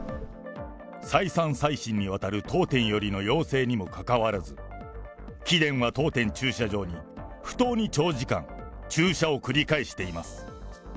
再三再四にわたる当店よりの要請にもかかわらず、貴殿は当店駐車場に不当に長時間、駐車を繰り返しています。